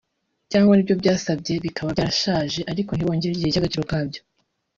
cyangwa n’ibyo basabye bikaba byarashaje ariko ntibongere igihe cy’agaciro kabyo